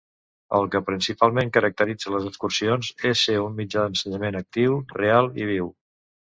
El que principalment caracteritza les excursions és ser un mitjà d'ensenyament actiu, real i viu.